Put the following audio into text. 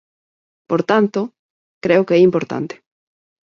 Por tanto, creo que é importante.